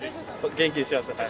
元気にしてました。